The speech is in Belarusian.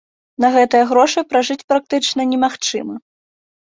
На гэтыя грошы пражыць практычна немагчыма.